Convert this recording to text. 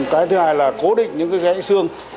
cái thứ hai là cố định những cái dãy xương